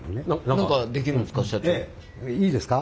何かできるんですか？